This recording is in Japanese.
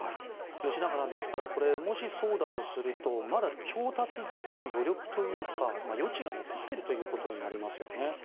吉永さん、ですからもし、そうだとするとまだ調達できる余力というか余地が残っているということになりますよね。